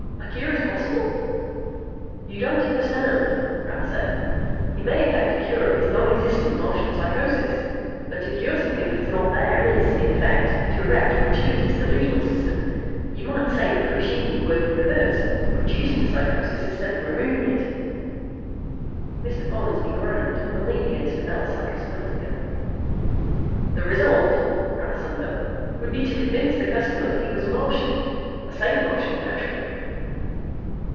A cure is possible!" "You don't understand," Rath said. "He may effect a cure of his nonexistent Martian psychosis. But to cure something that is not there is, in effect, to erect a gratuitous delusional system. You might say that the machine would work in reverse, producing psychosis instead of removing it." Mr. Follansby groaned and leaned against a Bell Psychosomatica. "The result," Rath summed up, "would be to convince the customer that he was a Martian. A sane Martian, naturally."